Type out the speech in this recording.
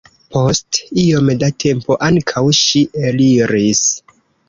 Post iom da tempo ankaŭ ŝi eliris.